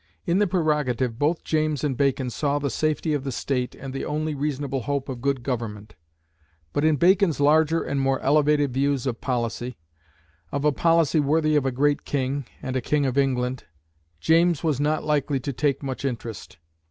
In the prerogative both James and Bacon saw the safety of the State and the only reasonable hope of good government; but in Bacon's larger and more elevated views of policy of a policy worthy of a great king, and a king of England James was not likely to take much interest.